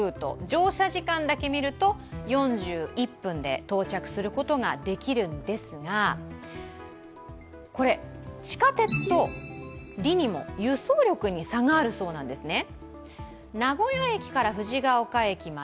乗車時間だけ見ると４１分で到着することができるんですが地下鉄とリニモ、輸送力に差があるそうなんですね。